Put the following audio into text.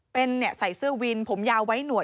เป็นใส่เสื้อวินผมยาวไว้หนวด